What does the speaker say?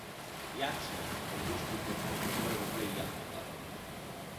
Yachtsmen may wish to contact the Morro Bay Yacht Club.